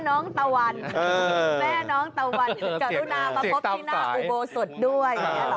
แม่น้องตะวันเกิดรูดหน้ามาพบที่หน้าอุโบสุตรด้วย